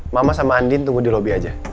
mama sama andin tunggu di lobby aja